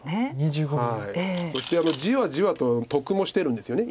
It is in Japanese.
そしてじわじわと得もしてるんですよね。